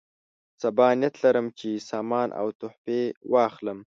سبا نیت لرم چې سامان او تحفې واخلم.